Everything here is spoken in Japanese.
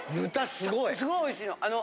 すごいおいしいの。